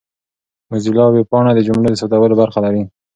موزیلا ویبپاڼه د جملو د ثبتولو برخه لري.